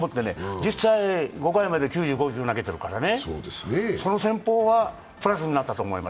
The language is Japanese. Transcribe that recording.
実際、５回まで９５球投げているからね、その戦法はプラスになったと思います。